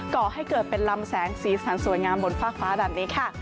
ก่อให้เกิดเป็นลำแสงสีสันสวยงามบนฟากฟ้าแบบนี้ค่ะ